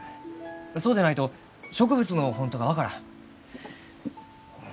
そうでないと植物の本当が分からん。